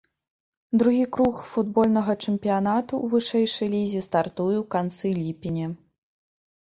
Другі круг футбольнага чэмпіянату ў вышэйшай лізе стартуе ў канцы ліпеня.